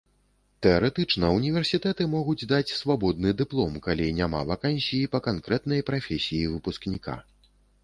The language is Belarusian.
Тэарэтычна ўніверсітэты могуць даць свабодны дыплом, калі няма вакансіі па канкрэтнай прафесіі выпускніка.